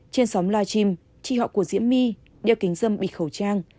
trên sóng live stream chị họ của diễm my đeo kính dâm bịt khẩu trang